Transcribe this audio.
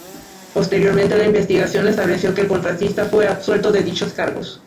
Posteriormente la investigación estableció que el contratista fue absuelto de dichos cargos.